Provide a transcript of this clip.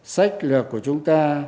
sách lược của chúng ta